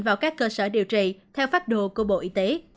vào các cơ sở điều trị theo pháp đồ của bộ y tế